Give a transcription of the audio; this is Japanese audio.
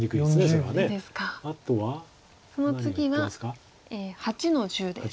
その次は８の十です。